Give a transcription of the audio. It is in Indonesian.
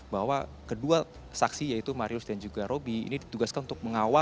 bahwa kedua saksi yaitu mariulis dan juga robi ini ditugaskan untuk berbicara